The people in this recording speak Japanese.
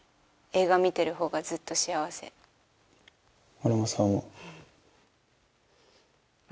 俺もそう思う。